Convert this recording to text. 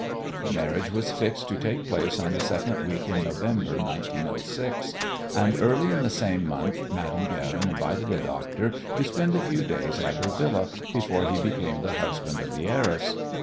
The marriage was fixed to take place in the second week in November, 1906, and early in the same month Madame Guerin invited the doctor to spend a few days at her Villa before he became the husband of the heiress.